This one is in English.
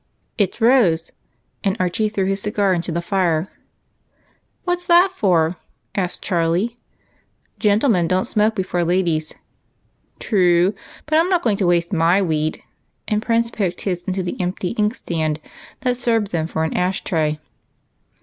"It's Rose," and Areliie threw liis cigar into tlie fire. " What's that for?" asked Cliarhe. GOOD BARGAINS. 193 " Gentlemen don't smoke before ladies." " True ; but I 'm not going to waste my weed," and Prince poked his into the empty inkstand that served them for an ash tray.